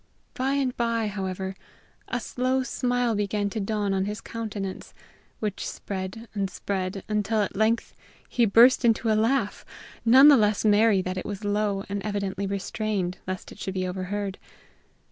By and by, however, a slow smile began to dawn on his countenance, which spread and spread until at length he burst into a laugh, none the less merry that it was low and evidently restrained lest it should be overheard.